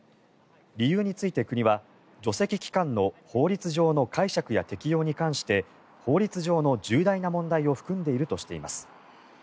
理由について国は除斥期間の法律上の解釈や適用に関して法律上の重大な問題を含んでいるとしています。